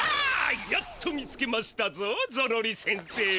やっと見つけましたぞゾロリ先生！